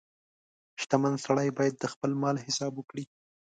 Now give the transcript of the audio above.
• شتمن سړی باید د خپل مال حساب وکړي.